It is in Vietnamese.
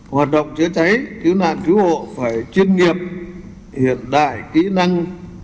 hoạt động chứa cháy chứa nạn chứa hộ phải chuyên nghiệp hiện đại kỹ năng